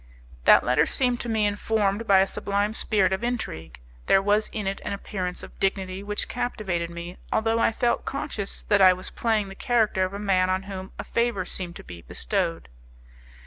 That letter seemed to me informed by a sublime spirit of intrigue; there was in it an appearance of dignity which captivated me, although I felt conscious that I was playing the character of a man on whom a favour seemed to be bestowed.